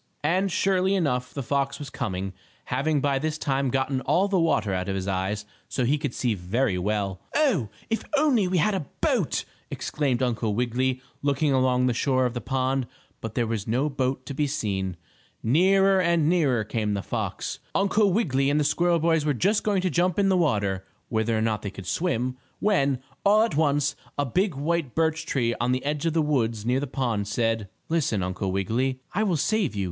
And, surely enough the fox was coming, having by this time gotten all the water out of his eyes, so he could see very well. "Oh, if we only had a boat!" exclaimed Uncle Wiggily, looking along the shore of the pond, but there was no boat to be seen. Nearer and nearer came the fox! Uncle Wiggily and the squirrel boys were just going to jump in the water, whether or not they could swim, when, all at once, a big white birch tree on the edge of the woods near the pond, said: "Listen, Uncle Wiggily and I will save you.